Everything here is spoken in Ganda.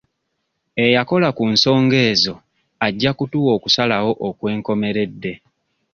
Eyakola ku nsonga ezo ajja kutuwa okusalawo okwenkomeredde.